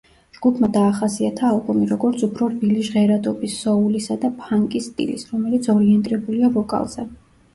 ჯგუფმა დაახასიათა ალბომი, როგორც უფრო რბილი ჟღერადობის, სოულისა და ფანკის სტილის, რომელიც ორიენტირებულია ვოკალზე.